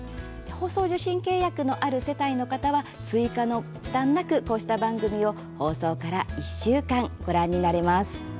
放送受信契約のある世帯の方は追加の負担なくこうした番組を放送から１週間ご覧になれます。